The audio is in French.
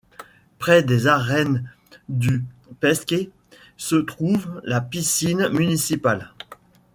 Près des arènes du Pesqué se trouve la piscine municipale.